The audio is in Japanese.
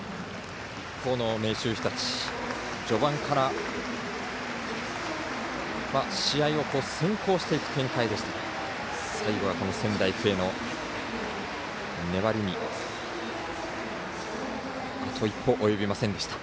明秀日立、序盤から試合を先行していく展開でしたが最後は、仙台育英の粘りにあと一歩及びませんでした。